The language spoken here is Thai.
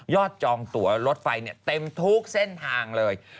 จองตัวรถไฟเต็มทุกเส้นทางเลย